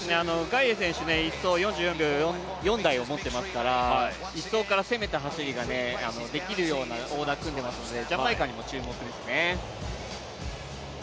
１走の選手は４４秒台を持っていますから１走から攻めた走りができるようなオーダーを組んでいますので、ジャマイカにも注目ですね。